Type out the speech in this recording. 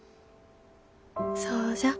そうじゃ。